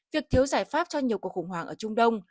việc thiếu giải pháp cho nhiều cuộc khủng hoảng ở trung đông